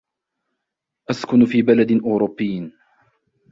أسكن في بلد أوروبي.